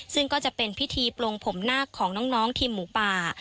ซึ่งก็จะเป็นพิธีปลงผมนาคของน้องทีมหมูป่า